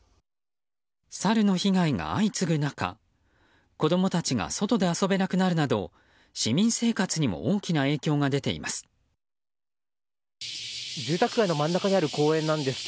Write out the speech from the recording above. サルの被害が相次ぐ中子供たちが外で遊べなくなるなど市民生活にも大きな影響が出ています。